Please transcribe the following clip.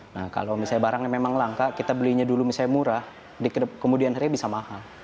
nah kalau misalnya barangnya memang langka kita belinya dulu misalnya murah kemudian hari bisa mahal